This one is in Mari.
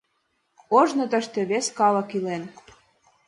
— Ожно тыште вес калык илен...